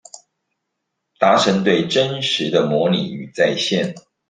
達成對真實的模擬與再現